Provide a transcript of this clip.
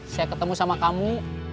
saya ketemu sama kamu